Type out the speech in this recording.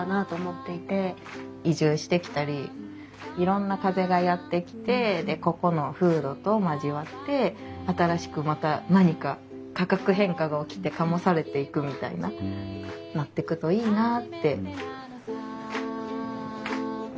移住してきたりいろんな風がやって来てでここの風土と交わって新しくまた何か化学変化が起きて醸されていくみたいななってくといいなあって。